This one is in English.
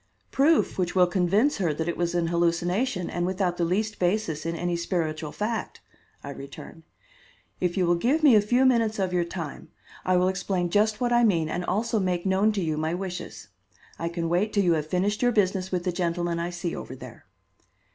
"Proof which will convince her that it was an hallucination and without the least basis in any spiritual fact," I returned. "If you will give me a few minutes of your time, I will explain just what I mean and also make known to you my wishes. I can wait till you have finished your business with the gentlemen I see over there."